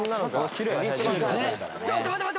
「きれい」ちょっと待って待って！